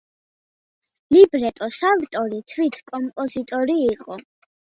ლიბრეტოს ავტორი თვით კომპოზიტორი იყო.